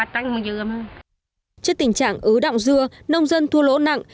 trước tình trạng ứ động dưa nông dân thua lỗ nặng